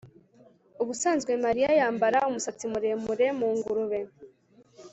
Ubusanzwe Mariya yambara umusatsi muremure mu ngurube